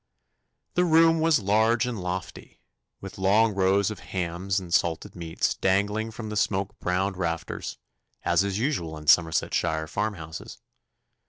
The room was large and lofty, with long rows of hams and salted meats dangling from the smoke browned rafters, as is usual in Somersetshire farmhouses.